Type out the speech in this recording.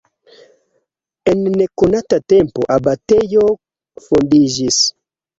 En nekonata tempo abatejo fondiĝis.